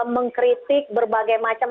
mengkritik berbagai macam